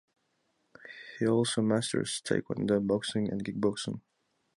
He also masters Taekwondo, Boxing and Kick-boxing.